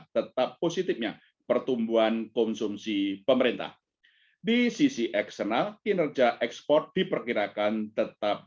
tetap positifnya pertumbuhan konsumsi pemerintah di sisi eksternal kinerja ekspor diperkirakan tetap